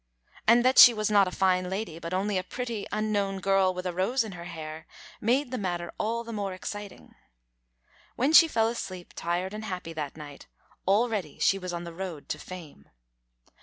And that she was not a fine lady, but only a pretty unknown girl with a rose in her hair, made the matter all the more exciting. When she fell asleep, tired and happy, that night, already she was on the road to fame.